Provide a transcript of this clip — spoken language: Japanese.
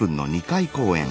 ２回公演。